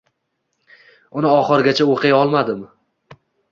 Uni oxirigacha o’qiy olmadim.